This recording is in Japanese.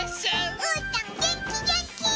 うーたんげんきげんき！